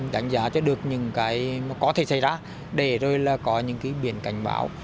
đánh giá cho được những cái có thể xảy ra để rồi là có những cái biển cảnh báo